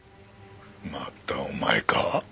またお前か。